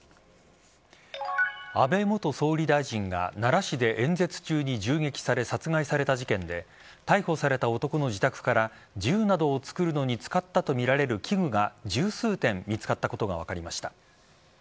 安倍元総理大臣が奈良市で演説中に銃撃され殺害された事件で逮捕された男の自宅から銃などを作るのに使ったとみられる器具が十数点見つかったことが分かりました。